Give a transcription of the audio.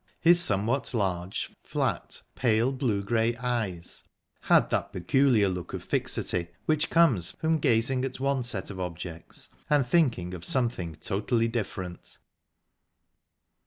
His somewhat large, flat, pale blue grey eyes had that peculiar look of fixity which comes from gazing at one set of objects and thinking of something totally different.